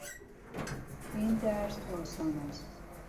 این درس آسان است.